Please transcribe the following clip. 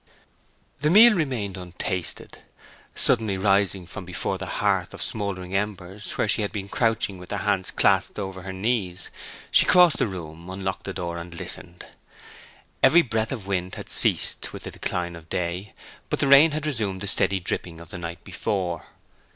The meal remained untasted. Suddenly rising from before the hearth of smouldering embers, where she had been crouching with her hands clasped over her knees, she crossed the room, unlocked the door, and listened. Every breath of wind had ceased with the decline of day, but the rain had resumed the steady dripping of the night before.